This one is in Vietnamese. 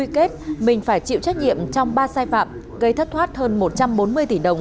kết mình phải chịu trách nhiệm trong ba sai phạm gây thất thoát hơn một trăm bốn mươi tỷ đồng